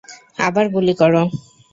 আবার গুলি করো।